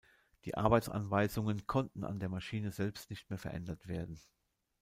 Die Arbeitsanweisungen konnten an der Maschine selbst nicht mehr verändert werden.